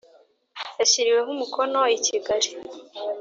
yashyiriweho umukono i Kigali